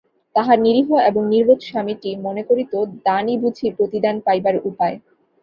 তাহার নিরীহ এবং নির্বোধ স্বামীটি মনে করিত, দানই বুঝি প্রতিদান পাইবার উপায়।